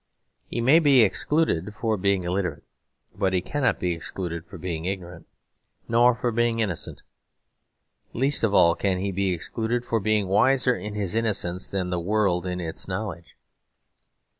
He may be excluded for being illiterate, but he cannot be excluded for being ignorant, nor for being innocent. Least of all can he be excluded for being wiser in his innocence than the world in its knowledge.